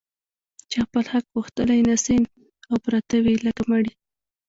چي خپل حق غوښتلای نه سي او پراته وي لکه مړي